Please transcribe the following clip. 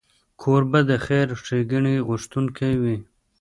کوربه د خیر ښیګڼې غوښتونکی وي.